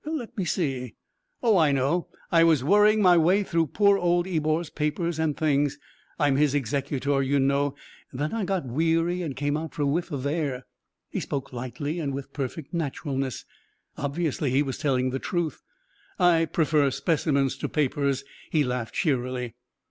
Let me see. Oh, I know; I was worrying my way through poor old Ebor's papers and things. I'm his executor, you know. Then I got weary and came out for a whiff of air." He spoke lightly and with perfect naturalness. Obviously he was telling the truth. "I prefer specimens to papers," he laughed cheerily.